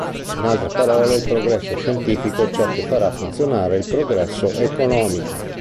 In altre parole, il progresso scientifico è ciò che farà funzionare il progresso economico.